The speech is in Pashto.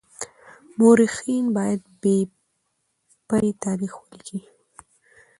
مورخين بايد بې پرې تاريخ وليکي.